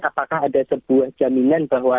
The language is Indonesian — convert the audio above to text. apakah ada sebuah jaminan bahwa